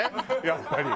やっぱり。